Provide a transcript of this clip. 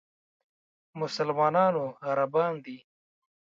مسلمانانو عربان دي.